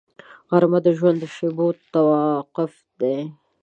غرمه د ژوند د شېبو توقف دی